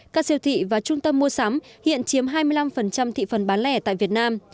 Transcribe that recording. các siêu thị và trung tâm mua sắm hiện chiếm hai mươi năm thị phần bán lẻ tại việt nam